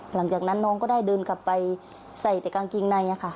หลังจากนั้นน้องก็ได้เดินกลับไปใส่แต่กางเกงในค่ะ